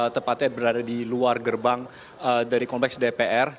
tepatnya berada di luar gerbang dari kompleks dpr